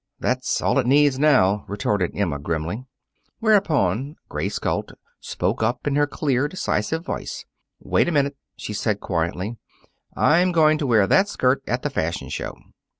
"That's all it needs now," retorted Emma grimly. Whereupon, Grace Galt spoke up in her clear, decisive voice. "Wait a minute," she said quietly. "I'm going to wear that skirt at the fashion show."